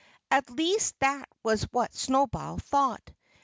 At least that was what Snowball thought.